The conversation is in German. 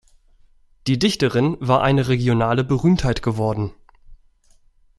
Die Dichterin war eine regionale Berühmtheit geworden.